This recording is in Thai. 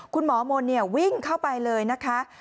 คุณหมอมนต์วิ่งเข้าไปเลยนะคะ